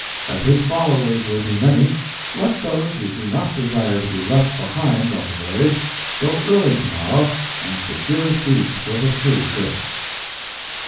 As his followers will be many, let those who do not desire to be left behind on the voyage go early tomorrow and secure seats for the through trip.